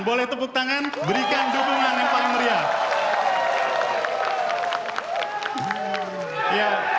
boleh tepuk tangan berikan dukungan yang paling meriah